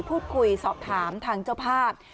พูดคุยสอบถามทางเจ้าภาพ